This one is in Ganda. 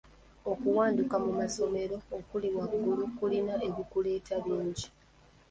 Okuwanduka mu ssomero okuli waggulu kulina ebikuleeta bingi.